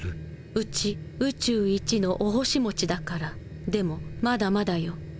うちウチュウイチのお星持ちだからでもまだまだよ。